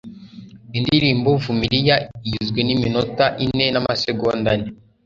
indirimbo 'vumilia' igizwe n'iminota ine n'amasegonda ane